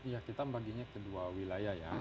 ya kita baginya ke dua wilayah ya